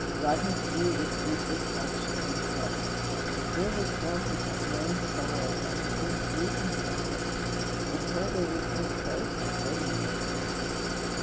Rodney Steele was deeply touched and impressed. Here was one who had known sorrow and had been sweetened by it. In her there was no trace of bitterness.